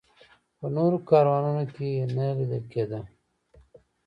په نورو کاروانونو کې نه لیدل کېده.